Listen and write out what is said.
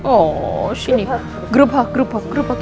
oh sini gerobak gerobak gerobak